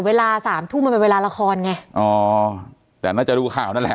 เวลาสามทุ่มมันเป็นเวลาละครไงอ๋อแต่น่าจะดูข่าวนั่นแหละ